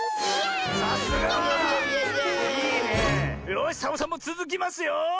よしサボさんもつづきますよ！